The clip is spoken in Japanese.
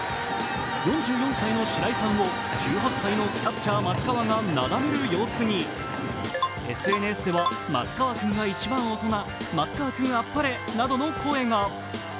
４４歳の白井さんを１８歳のキャッチャー・松川がなだめる様子にＳＮＳでは、松川君が一番大人、「松川くんアッパレ」などの声が。